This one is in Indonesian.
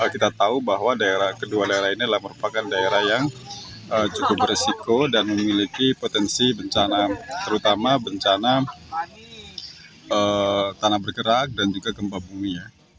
kita tahu bahwa kedua daerah ini adalah merupakan daerah yang cukup beresiko dan memiliki potensi bencana terutama bencana tanah bergerak dan juga gempa bumi